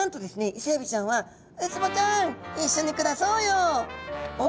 イセエビちゃんは「ウツボちゃんいっしょに暮らそうよ」。